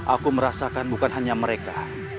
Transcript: aku merasakan bukan hanya mereka